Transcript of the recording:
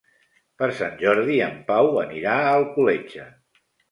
Per Sant Jordi en Pau anirà a Alcoletge.